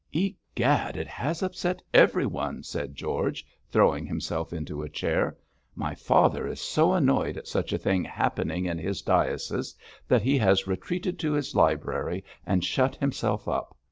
'Egad! it has upset everyone,' said George, throwing himself into a chair. 'My father is so annoyed at such a thing happening in his diocese that he has retreated to his library and shut himself up.